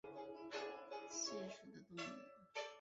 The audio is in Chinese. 新尖额蟹属为膜壳蟹科新尖额蟹属的动物。